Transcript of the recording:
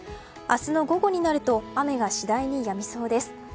明日の午後になると雨が次第にやみそうです。